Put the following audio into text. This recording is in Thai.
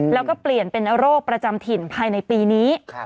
แล้วก็เปลี่ยนเป็นโรคประจำถิ่นภายในปีนี้